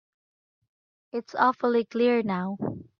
It's awfully clear now.